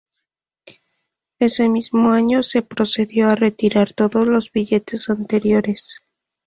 Ese mismo año se procedió a retirar todos los billetes anteriores.